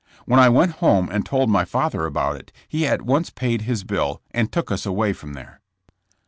When I went home and told my father about it, he at once paid his bill and took us away from there.